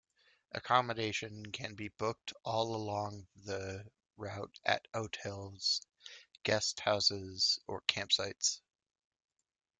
Accommodation can be booked all along the route at hotels, guest houses or campsites.